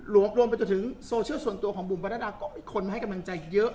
รวมไปจนถึงโซเชียลส่วนตัวของบุ๋มประนัดดาก็คนมาให้กำลังใจเยอะ